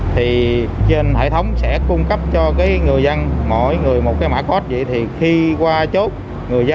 thì trên hệ thống sẽ cung cấp cho cái người dân mỗi người một cái mã code vậy